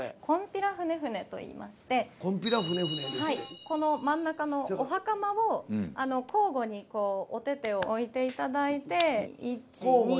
『金毘羅船船』といいましてこの真ん中のおはかまを交互におててを置いていただいて１２。